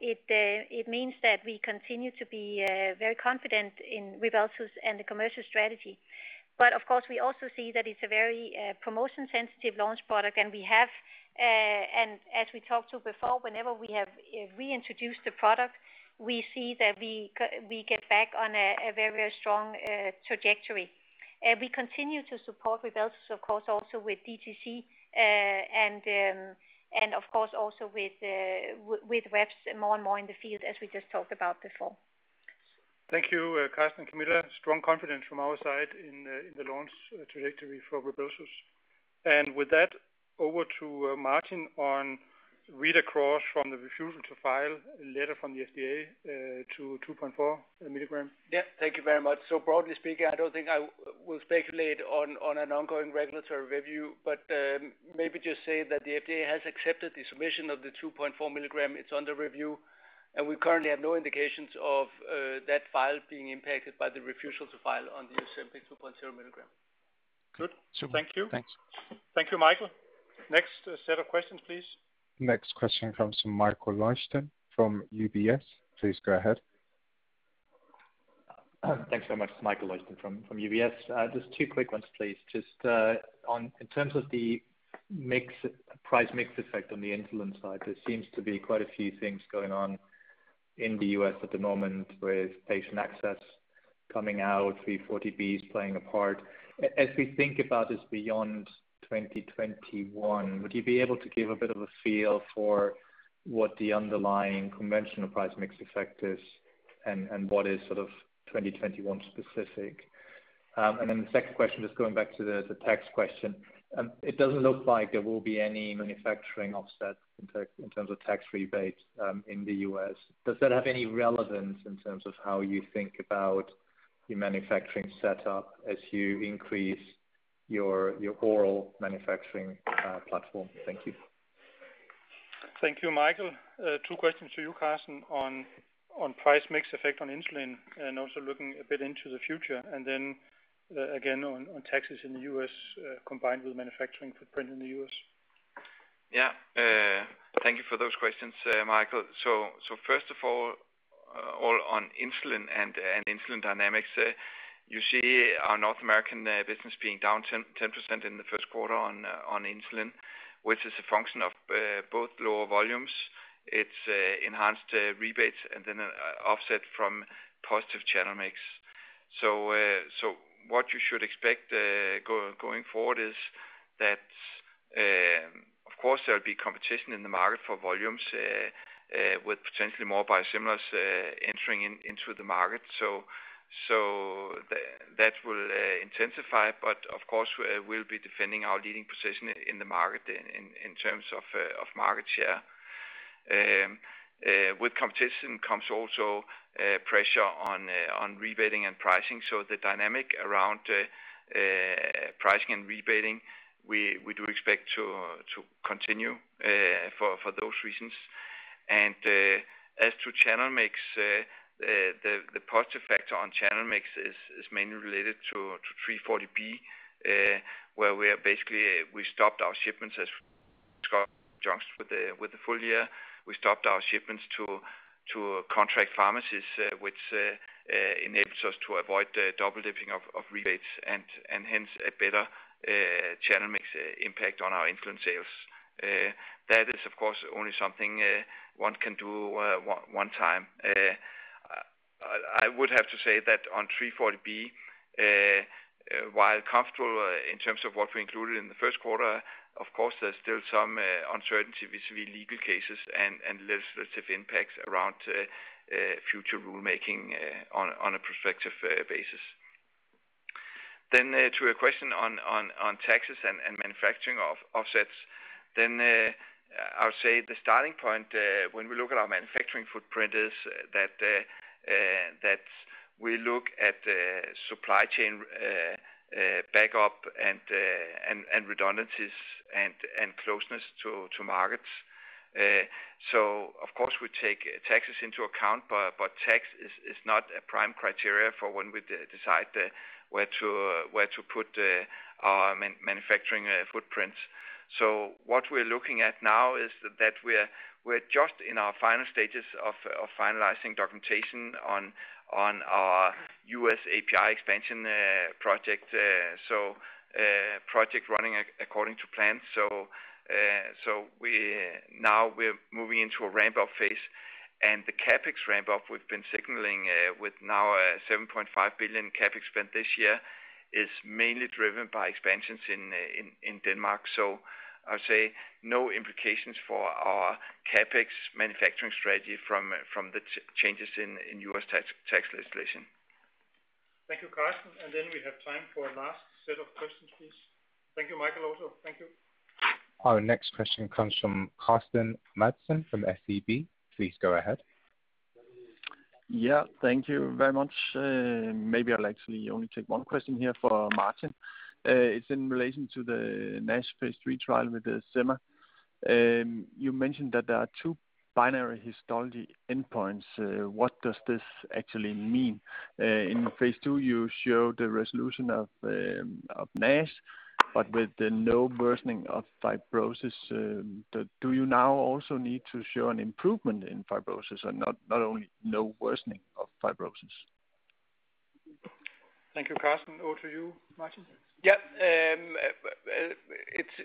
It means that we continue to be very confident in Rybelsus and the commercial strategy. Of course, we also see that it's a very promotion sensitive launch product. We have, as we talked to before, whenever we have reintroduced the product, we see that we get back on a very strong trajectory. We continue to support Rybelsus of course also with DTC and of course also with reps more and more in the field as we just talked about before. Thank you, Karsten and Camilla. Strong confidence from our side in the launch trajectory for Rybelsus. With that, over to Martin on read across from the refusal to file a letter from the FDA to 2.4 mg. Yeah, thank you very much. Broadly speaking, I don't think I will speculate on an ongoing regulatory review, maybe just say that the FDA has accepted the submission of the 2.4 mg. It's under review, we currently have no indications of that file being impacted by the refusal to file on the Ozempic 2.0 mg. Good, thank you. Thanks. Thank you, Michael. Next set of questions, please. Next question comes from Michael Leuchten from UBS. Please go ahead. Thanks so much, Michael Leuchten from UBS. Just two quick ones please. Just on in terms of the price mix effect on the insulin side, there seems to be quite a few things going on in the U.S. at the moment with patient access coming out, 340B playing a part. As we think about this beyond 2021, would you be able to give a bit of a feel for what the underlying conventional price mix effect is and what is sort of 2021 specific? And then the second question, just going back to the tax question. It doesn't look like there will be any manufacturing offset in terms of tax rebates in the U.S. Does that have any relevance in terms of how you think about your manufacturing setup as you increase your oral manufacturing platform? Thank you. Thank you, Michael. Two questions to you, Karsten, on price mix effect on insulin and also looking a bit into the future and then again on taxes in the U.S., combined with manufacturing footprint in the U.S. Thank you for those questions, Michael. First of all, on insulin and insulin dynamics, you see our North America Operations business being down 10% in the first quarter on insulin, which is a function of both lower volumes. It's enhanced rebates and then offset from positive channel mix. What you should expect going forward is that, of course there'll be competition in the market for volumes with potentially more biosimilars entering into the market. That will intensify but of course, we'll be defending our leading position in the market in terms of market share. With competition comes also pressure on rebating and pricing. The dynamic around pricing and rebating, we do expect to continue for those reasons. As to channel mix, the positive factor on channel mix is mainly related to 340B, where we basically stopped our shipments to contract pharmacies, which enables us to avoid the double-dipping of rebates and hence a better channel mix impact on our influence sales. That is of course only something one can do one time. I would have to say that on 340B, while comfortable in terms of what we included in the first quarter, of course, there's still some uncertainty vis-à-vis legal cases and legislative impacts around future rulemaking on a prospective basis. To your question on taxes and manufacturing offsets, I would say the starting point when we look at our manufacturing footprint is that we look at the supply chain backup and redundancies and closeness to markets. So of course we take taxes into account, but tax is not a prime criteria for when we decide where to put our manufacturing footprints. What we're looking at now is that we're just in our final stages of finalizing documentation on our U.S. API expansion project. Project running according to plan. We're now moving into a ramp-up phase. The CapEx ramp-up we've been signaling with now a 7.5 billion CapEx spend this year is mainly driven by expansions in Denmark. I would say no implications for our CapEx manufacturing strategy from the changes in U.S. tax legislation. Thank you, Karsten. We have time for a last set of questions, please. Thank you, Michael, also. Thank you. Our next question comes from Carsten Madsen from SEB. Please go ahead. Yeah, thank you very much. Maybe I'll actually only take one question here for Martin. It's in relation to the NASH phase III trial with the sema. You mentioned that there are two binary histology endpoints. What does this actually mean? In phase II, you showed the resolution of NASH, but with the no worsening of fibrosis, do you now also need to show an improvement in fibrosis and not only no worsening of fibrosis? Thank you, Carsten. Over to you, Martin. Yeah,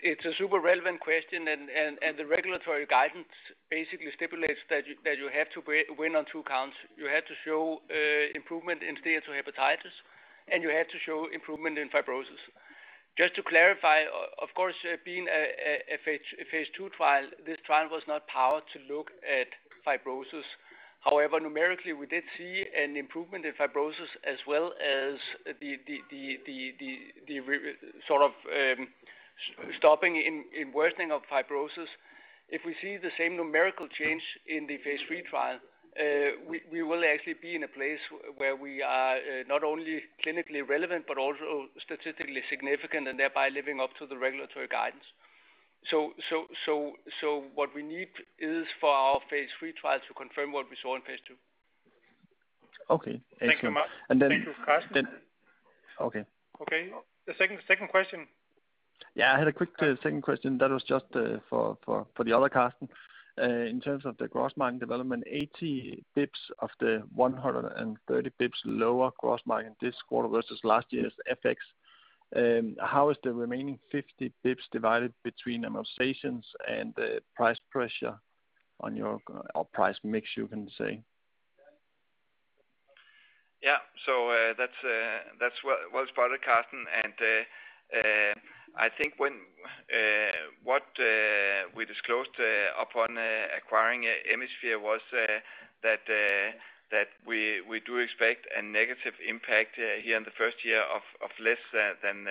it's a super relevant question and the regulatory guidance basically stipulates that you have to win on two counts. You have to show improvement in steatohepatitis, and you have to show improvement in fibrosis. Just to clarify, of course, being a phase II trial, this trial was not powered to look at fibrosis. However, numerically, we did see an improvement in fibrosis as well as the sort of stopping in worsening of fibrosis. If we see the same numerical change in the phase III trial, we will actually be in a place where we are not only clinically relevant, but also statistically significant and thereby living up to the regulatory guidance. What we need is for our phase III trial to confirm what we saw in phase II. Okay, thank you. Thanks so much. And then- Thank you, Carsten. Okay. Okay, the second question. I had a quick second question. That was just for for for the other Carsten. In terms of the gross margin development, 80 basis points of the 130 basis points lower gross margin this quarter versus last year's FX. How is the remaining 50 basis points divided between amortizations and the price pressure on your price mix, you can say? That's, well spotted, Carsten. I think when we disclosed upon acquiring Emisphere was that we do expect a negative impact here in the first year of less than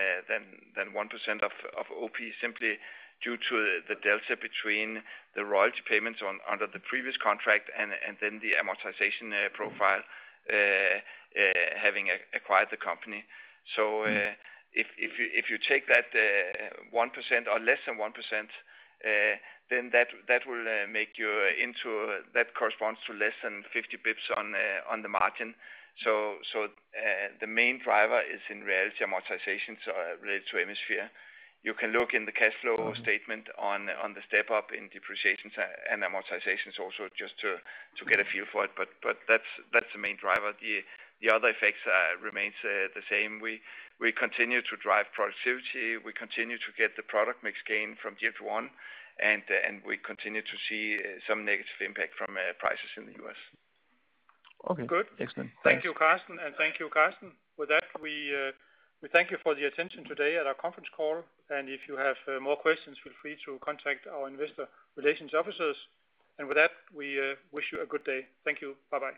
1% of OP simply due to the delta between the royalty payments under the previous contract and then the amortization profile having acquired the company. If you take that 1% or less than 1%, then that will correspond to less than 50 basis points on the margin. The main driver is in reality amortizations related to Emisphere. You can look in the cash flow statement on the step-up in depreciations and amortizations also just to get a feel for it. That's the main driver. The other effects remains the same. We continue to drive productivity, we continue to get the product mix gain from GLP-1, and we continue to see some negative impact from prices in the U.S. Okay. Good. Excellent. Thank you, Carsten, and thank you, Carsten. With that, we thank you for the attention today at our conference call. If you have more questions, feel free to contact our investor relations officers. With that, we wish you a good day. Thank you. Bye-bye.